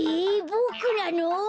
ボクなの！？